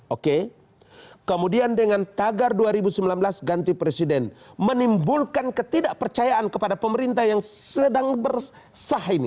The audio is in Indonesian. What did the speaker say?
oke kemudian dengan tagar dua ribu sembilan belas ganti presiden menimbulkan ketidakpercayaan kepada pemerintah yang sedang bersah ini